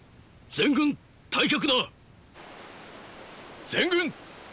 全軍退却！